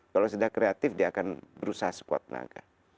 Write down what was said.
kalau sudah kreatif dia akan berusaha sekuat naga